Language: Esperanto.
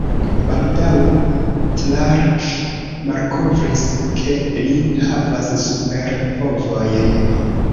Baldaŭ, Clark malkovris, ke li havas super-povojn.